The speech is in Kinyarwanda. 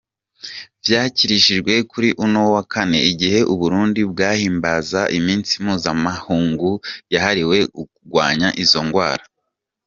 Vyashikirijwe kuri uno wa kane igihe Uburundi bwahimbaza imisi mpuzamakungu yahariwe kugwanya izo ngwara.